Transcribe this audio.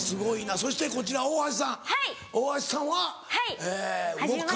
そしてこちら大橋さん大橋さんはウオッカ。